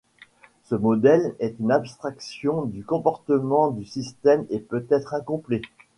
Ce modèle est une abstraction du comportement du système et peut être incomplet.